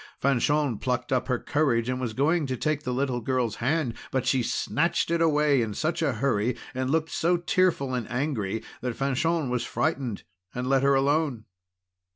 Fanchon plucked up courage, and was going to take the little girl's hand, but she snatched it away in such a hurry and looked so tearful and angry, that Fanchon was frightened and let her alone.